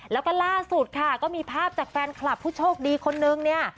แล้วก็ล่าสุดค่ะก็มีภาพจากแฟนคลับผู้โชคดีคนนึงเนี่ย